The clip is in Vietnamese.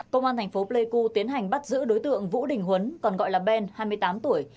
công an thành phố pleiku tiến hành bắt giữ đối tượng vũ đình huấn còn gọi là ben hai mươi tám tuổi